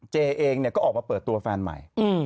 เจเองก็ออกมาเปิดตัวแฟนใหม่